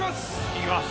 いきます。